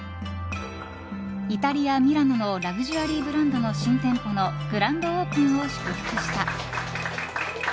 イタリア・ミラノのラグジュアリーブランドの新店舗のグランドオープンを祝福した。